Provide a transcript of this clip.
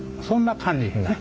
そんな感じ。